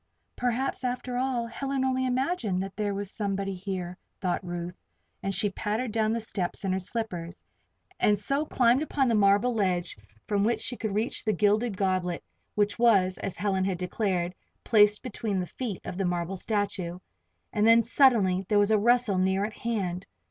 "Perhaps, after all, Helen only imagined there was somebody here," thought Ruth, and she pattered down the steps in her slippers, and so climbed upon the marble ledge from which she could reach the gilded goblet which was, as Helen had declared, placed between the feet of the marble statue. And then, suddenly, there was a rustle near at hand.